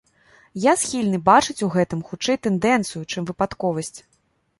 Я схільны бачыць у гэтым, хутчэй, тэндэнцыю, чым выпадковасць.